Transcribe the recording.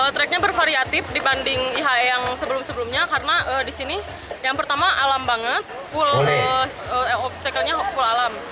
tracknya bervariatif dibanding ihe yang sebelum sebelumnya karena di sini yang pertama alam banget full obstacle nya full alam